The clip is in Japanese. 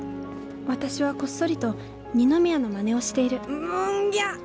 私はこっそりと二宮のまねをしているムンギャ！